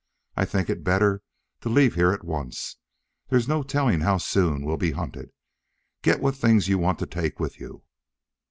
I think it better to leave here at once. There's no telling how soon we'll be hunted. Get what things you want to take with you."